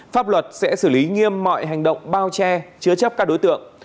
pháp luật sẽ xử lý nghiêm mọi hành động bao che chứa chấp các đối tượng